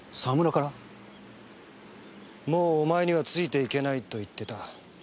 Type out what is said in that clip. もうお前にはついていけないと言ってた。